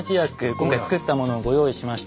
今回つくったものをご用意しました。